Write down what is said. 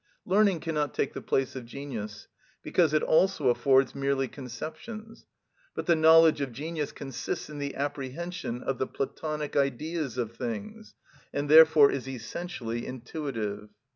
Learning cannot take the place of genius, because it also affords merely conceptions, but the knowledge of genius consists in the apprehension of the (Platonic) Ideas of things, and therefore is essentially intuitive.